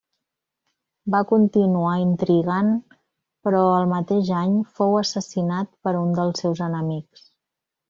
Va continuar intrigant però el mateix any fou assassinat per un dels seus enemics.